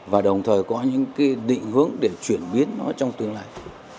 và đồng thời có những cái định hướng để chuyển biến nó trong tương lai